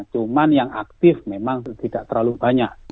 cuman yang aktif memang tidak terlalu banyak